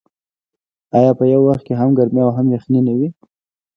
آیا په یو وخت کې هم ګرمي او هم یخني نه وي؟